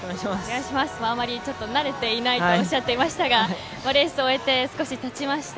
あんまり慣れていないとおっしゃっていましたがレースを終えて少したちました。